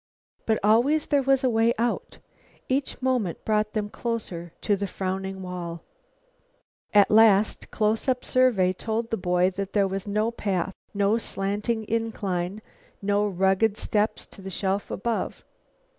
But always there was a way out. Each moment brought them closer to the frowning wall. A last, close up survey told the boy that there was no path, no slanting incline, no rugged steps to the shelf above.